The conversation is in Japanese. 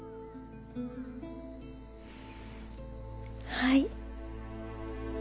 はい。